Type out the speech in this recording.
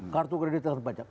kartu kredit tidak dikejar pajak